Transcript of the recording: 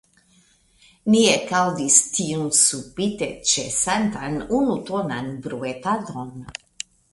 Ni ekaŭdis tiun subite ĉesantan unutonan bruetadon.